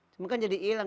semua kan jadi ilang